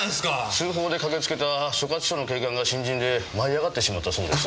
通報で駆けつけた所轄署の警官が新人で舞い上がってしまったそうです。